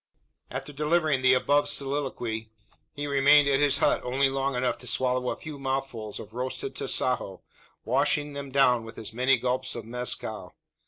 After delivering the above soliloquy, he remained at his hut only long enough to swallow a few mouthfuls of roasted tasajo, washing them down with as many gulps of mezcal.